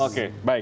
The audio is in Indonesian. oke baik baik